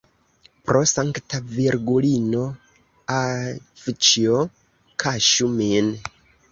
Pro Sankta Virgulino, avĉjo, kaŝu min!